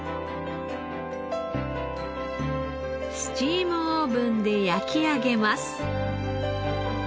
スチームオーブンで焼き上げます。